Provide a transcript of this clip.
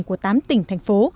của tám tỉnh thành phố